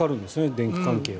電気関係は。